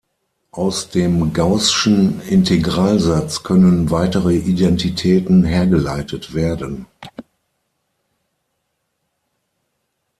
Aus dem gaußschen Integralsatz können weitere Identitäten hergeleitet werden.